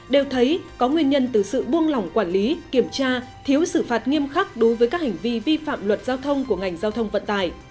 đều thấy có nguyên nhân từ sự buông lỏng quản lý kiểm tra thiếu xử phạt nghiêm khắc đối với các hành vi vi phạm luật giao thông của ngành giao thông vận tải